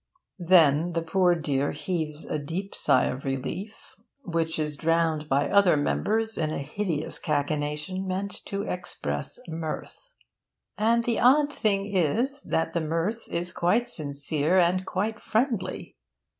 Then the poor dear heaves a deep sigh of relief, which is drowned by other members in a hideous cachinnation meant to express mirth. And the odd thing is that the mirth is quite sincere and quite friendly.